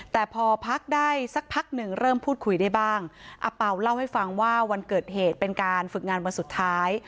แต่พอพักได้สักพักหนึ่งเริ่มพูดคุยได้บ้างอเป่าเล่าให้ฟังว่าวันเกิดเหตุเป็นการฝึกงานวันสุดท้าย